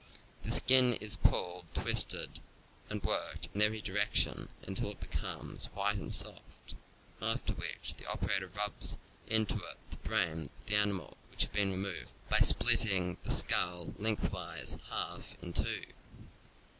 The skin is pulled, g, . twisted, and worked in every direction until it becomes white and soft, after which the operator rubs into it the brains of the animal, which have been removed by splitting the skull length wise half in two.